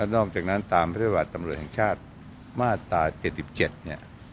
นอกจากนั้นตามพฤติบัติตำรวจแห่งชาติมาตรา๗๗เนี่ย